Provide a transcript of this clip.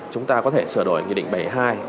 chúng ta có thể sửa đổi nghị định bảy mươi hai